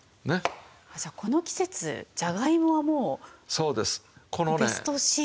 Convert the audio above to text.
じゃあこの季節じゃがいもはもうベストシーズン？